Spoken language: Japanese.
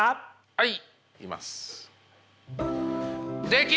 はい。